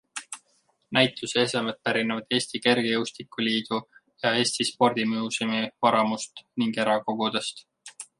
Näituse esemed pärinevad Eesti Kergejõustikuliidu ja Eesti Spordimuuseumi varamust ning erakogudest.